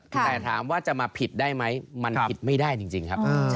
แต่ถามว่าจะมาผิดได้ไหมมันผิดไม่ได้จริงครับ